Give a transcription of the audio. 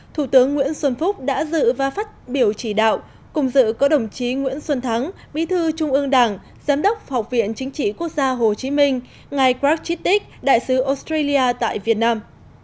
thủ tướng nguyễn xuân phúc đã dự và phát biểu chỉ đạo cùng dự có đồng chí nguyễn xuân thắng bí thư trung ương đảng giám đốc học viện chính trị quốc gia hồ chí minh ngài crag chittik đại sứ australia tại việt nam